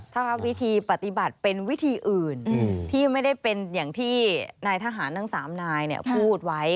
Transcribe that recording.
ถ้าวิธีปฏิบัติเป็นวิธีอื่นที่ไม่ได้เป็นอย่างที่นายทหารทั้ง๓นายพูดไว้